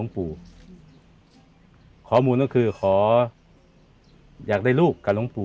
ทุกคนอยากได้ลูกกับหลวงปู่